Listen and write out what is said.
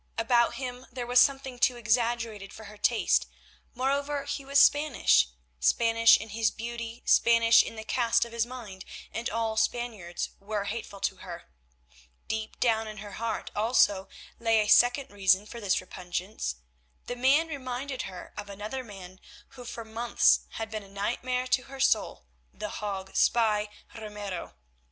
About him there was something too exaggerated for her taste; moreover he was Spanish, Spanish in his beauty, Spanish in the cast of his mind, and all Spaniards were hateful to her. Deep down in her heart also lay a second reason for this repugnance; the man reminded her of another man who for months had been a nightmare to her soul, the Hague spy, Ramiro.